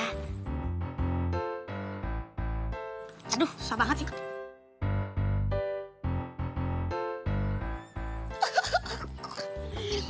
aduh susah banget sih